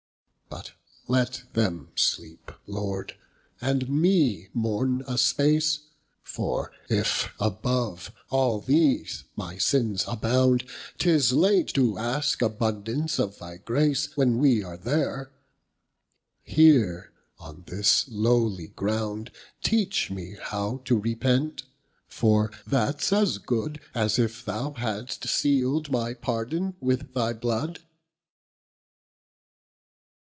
But let them sleepe, Lord, and mee mourne a space, For, if above all these, my sinnes abound, 'Tis late to aske abundance of thy grace, When wee are there; here on this lowly ground, Teach mee how to repent; for that's as good As if thou'hadst seal'd my pardon, with thy blood.